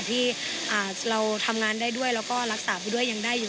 ที่เราทำงานได้ด้วยแล้วก็รักษาไปด้วยยังได้อยู่